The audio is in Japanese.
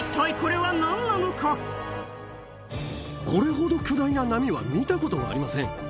一体、これほど巨大な波は見たことがありません。